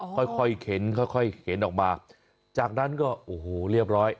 ค่อยค่อยเข็นค่อยเข็นออกมาจากนั้นก็โอ้โหเรียบร้อย